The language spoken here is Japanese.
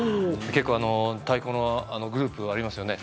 結構太鼓のグループがありますよね。